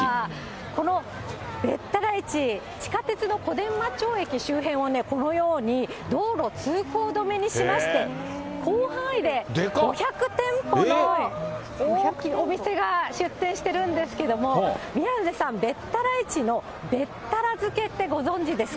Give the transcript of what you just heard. このべったら市、地下鉄の小伝馬町駅周辺をね、このように道路通行止めにしまして、広範囲で５００店舗のお店が出店してるんですけれども、宮根さん、べったら市のべったら漬けってご存じですか？